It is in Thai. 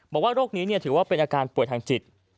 บอกว่าโรคนี้ถือว่าเป็นอาการป่วยทางจิต